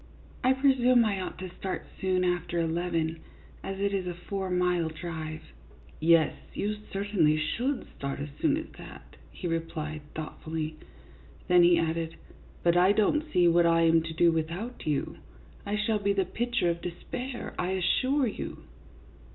I presume I ought to start soon after eleven, as it is a four mile drive." " Yes, you certainly should start as soon as that," he replied, thoughtfully. Then he added, " But I don't see what I am to do without you. I shall be the picture of despair, I assure you."